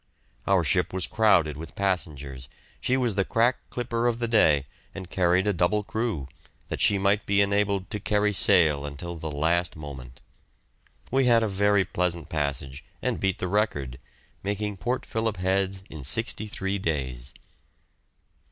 Our ship was crowded with passengers; she was the crack clipper of the day, and carried a double crew, that she might be enabled to carry sail until the last moment. We had a very pleasant passage and beat the record, making Port Phillip Heads in sixty three days.